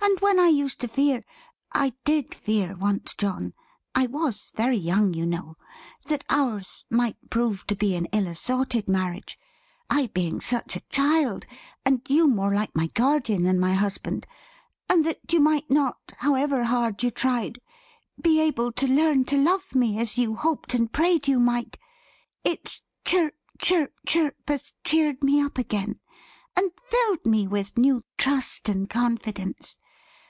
And when I used to fear I did fear once, John; I was very young you know that ours might prove to be an ill assorted marriage: I being such a child, and you more like my guardian than my husband: and that you might not, however hard you tried, be able to learn to love me, as you hoped and prayed you might; its Chirp, Chirp, Chirp, has cheered me up again, and filled me with new trust and confidence.